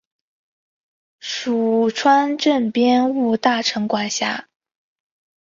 属川滇边务大臣管辖。